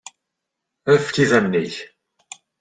Efk-idammen-ik.